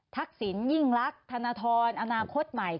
ทักษิณยิ่งรักธนทรอนาคตใหม่